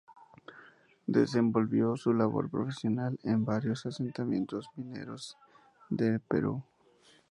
Desenvolvió su labor profesional en varios asentamientos mineros del Perú.